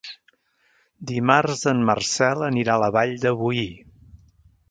Dimarts en Marcel anirà a la Vall de Boí.